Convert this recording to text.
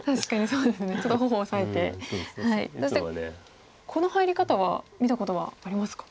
そしてこの入り方は見たことはありますか？